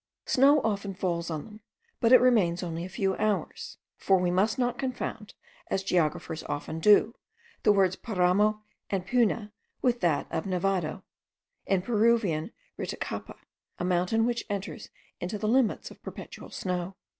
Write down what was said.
Snow often falls on them, but it remains only a few hours; for we must not confound, as geographers often do, the words paramo and puna with that of nevado, in Peruvian ritticapa, a mountain which enters into the limits of perpetual snow.